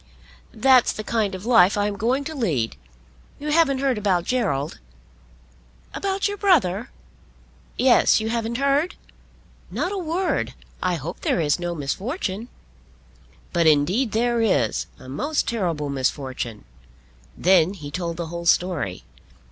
"That's the kind of life I'm going to lead. You haven't heard about Gerald?" "About your brother?" "Yes you haven't heard?" "Not a word. I hope there is no misfortune." "But indeed there is, a most terrible misfortune." Then he told the whole story.